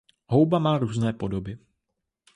Hudba má různé podoby.